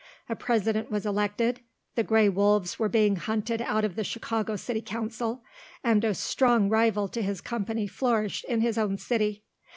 A president was elected, the grey wolves were being hunted out of the Chicago city council, and a strong rival to his company flourished in his own city.